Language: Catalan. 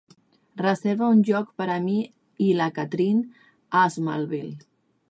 Reserva un lloc per a mi i la Kathrine a Smithville